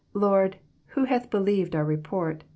Lord, who hath believed our report